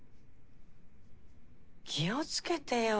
気をつけてよ